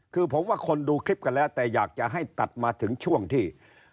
คือผมว่าคนดูคลิปกันแล้วแต่อยากจะให้ตัดมาถึงช่วงที่